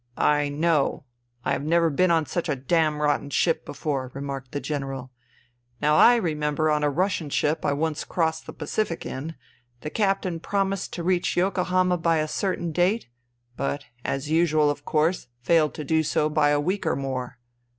" I know. I have never been on such a dam.otten ship before," remarked the General. " Now I remember on a Russian ship I once crossed the Pacific in, the captain promised to reach Yokohama by a certain date, but, as usual of course, failed to do so by a week or more.